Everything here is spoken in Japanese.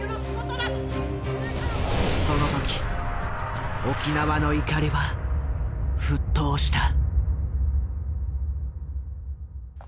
その時沖縄の怒りは沸騰した。